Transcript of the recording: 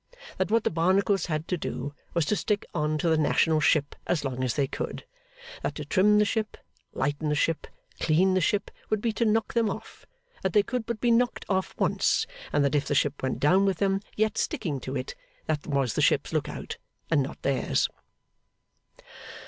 That what the Barnacles had to do, was to stick on to the national ship as long as they could. That to trim the ship, lighten the ship, clean the ship, would be to knock them off; that they could but be knocked off once; and that if the ship went down with them yet sticking to it, that was the ship's look out, and not theirs.